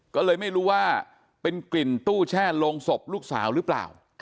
ก็เลยไม่รู้ว่าเป็นกลิ่นตู้แช่โรงศพลูกสาวหรือเปล่า